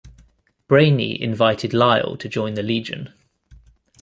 Brainy invited Lyle to join the Legion.